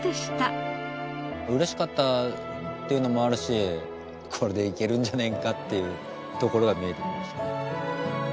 嬉しかったっていうのもあるしこれでいけるんじゃねえかっていうところが見えてきましたね。